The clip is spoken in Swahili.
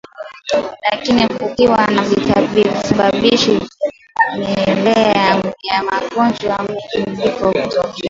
Lakini kukiwa na visababishi vya vimelea vya magonjwa mengine vifo hutokea